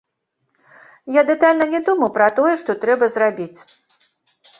Я дэтальна не думаў пра тое, што трэба зрабіць.